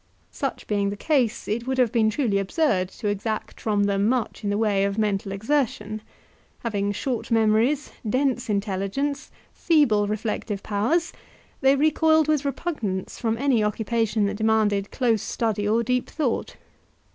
Such being the case, it would have been truly absurd to exact from them much in the way of mental exertion; having short memories, dense intelligence, feeble reflective powers, they recoiled with repugnance from any occupation that demanded close study or deep thought.